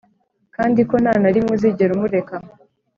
kandi ko nta na rimwe uzigera umureka